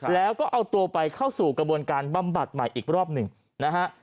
แล้วก็เอาตัวไปเข้าสู่กระบวนการบำบัดใหม่อีกรอบหนึ่งนะฮะ